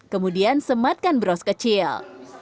kemudian sematkan bros kecil